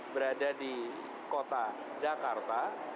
berada di kota jakarta